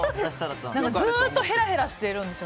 ずっとへらへらしてるんですよ。